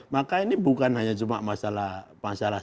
maka ini bukan hanya cuma masalah